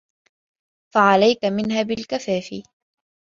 فَعَلَيْك مِنْهَا بِالْكَفَافِ